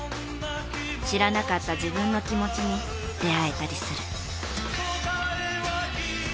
知らなかった自分の気持ちに出会えたりする。